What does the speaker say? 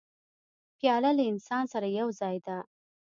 پیاله له انسان سره یو ځای ده.